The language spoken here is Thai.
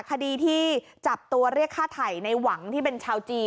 คดีที่จับตัวเรียกฆ่าไถ่ในหวังที่เป็นชาวจีน